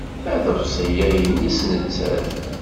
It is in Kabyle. Aḍebsi-a nnes nettat.